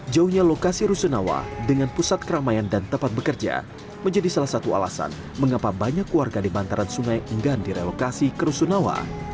jauhnya lokasi rusunawa dengan pusat keramaian dan tempat bekerja menjadi salah satu alasan mengapa banyak warga di bantaran sungai enggan direlokasi ke rusunawa